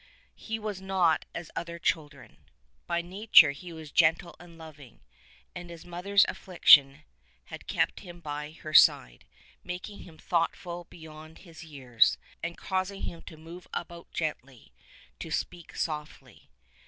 He was not as other chil dren. By nature he was gentle and loving, and his mother's affliction had kq^t him by her side, making him thoughtful beyond his years, and causing him to move about gently, to sneak softly.